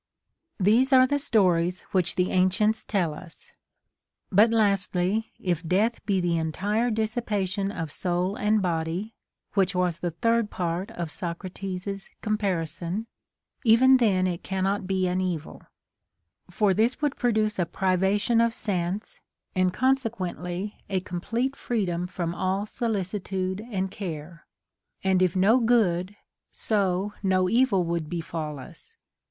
These are the stories which the ancients tell us. 15. But lastly, if death be the entire dissipation of soul and body (which was the third part of Socrates's compari CONSOLATION TO APOLLONIUS. 315 son), even then it cannot be an evil. For this would produce a privation of sense, and consequently a complete freedom from all solicitude and care ; and if no good, so no evil would befall us.